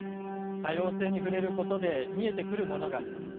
多様性に触れることで見えてくるものがあります。